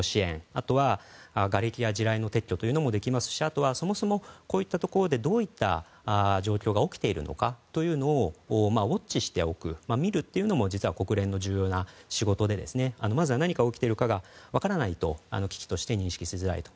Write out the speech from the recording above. あとは、がれきや地雷の撤去というのもできますし、あとはそもそもこういったところでどういった状況が起きているのかというのを見るというのも国連の重要な仕事でまずは何が起きているかが分からないと危機として認識しづらいので。